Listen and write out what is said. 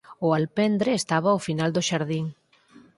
O alpendre estaba ao final do xardín.